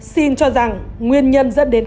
xin cho rằng nguyên nhân dẫn đến